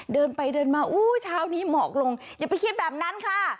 เดินไปเดินมาอู้เช้านี้หมอกลงอย่าไปคิดแบบนั้นค่ะ